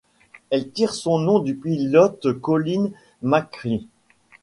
Elle tire son nom du pilote Colin McRae.